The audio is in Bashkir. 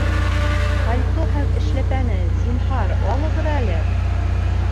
Пальто һәм эшләпәне, зинһар, алығыҙ әле